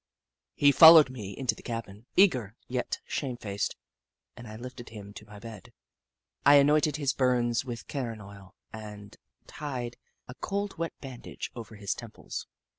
He followed me into the cabin, eager, yet shamefaced, and I lifted him to my bed. I anointed his burns with carron oil and tied a cold wet bandage over his temples.